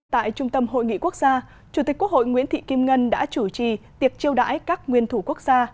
tại trung tâm hội nghị quốc gia chủ tịch quốc hội nguyễn thị kim ngân đã chủ trì tiệc chiêu đãi các nguyên thủ quốc gia